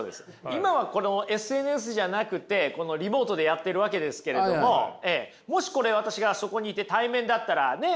今はこのＳＮＳじゃなくてリモートでやってるわけですけれどももしこれ私がそこにいて対面だったらね